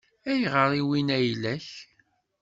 Ayɣer i wwin ayla-k?